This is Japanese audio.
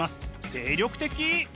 精力的！